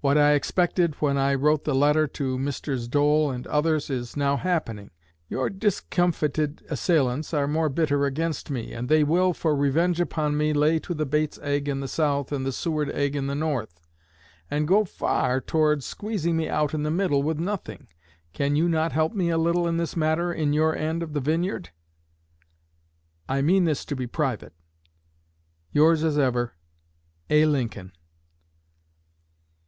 What I expected when I wrote the letter to Messrs. Dole and others is now happening. Your discomfited assailants are more bitter against me, and they will, for revenge upon me, lay to the Bates egg in the South and the Seward egg in the North, and go far towards squeezing me out in the middle with nothing. Can you not help me a little in this matter in your end of the vineyard? (I mean this to be private.) Yours as ever, A. LINCOLN.